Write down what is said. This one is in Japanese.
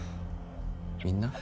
みんな？